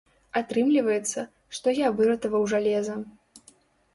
Атрымліваецца, што я выратаваў жалеза.